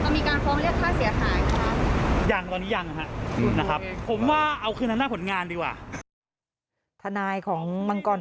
มันมีการค้องเรียกค่าเสียหายจะเป็นอย่างไหม